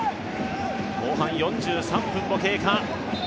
後半４３分を経過。